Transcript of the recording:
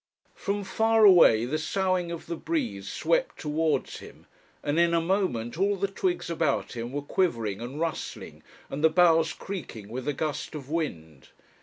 From far away the soughing of the breeze swept towards him, and in a moment all the twigs about him were quivering and rustling and the boughs creaking with a gust of wind.